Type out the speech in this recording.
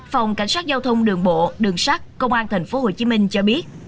phòng cảnh sát giao thông đường bộ đường sát công an tp hcm cho biết